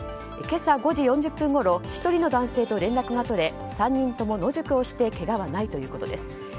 今朝５時４０分ごろ１人の男性と連絡が取れ３人とも野宿をしてけがはないということです。